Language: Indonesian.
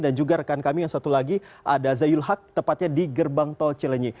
dan juga rekan kami yang satu lagi ada zayul haq tepatnya di gerbang tol cilenyi